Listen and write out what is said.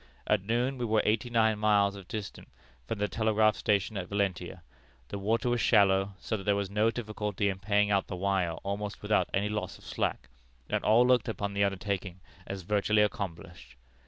At noon, we were eighty nine miles distant from the telegraph station at Valentia. The water was shallow, so that there was no difficulty in paying out the wire almost without any loss of slack, and all looked upon the undertaking as virtually accomplished.